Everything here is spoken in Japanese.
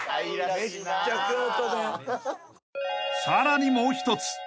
［さらにもう一つ］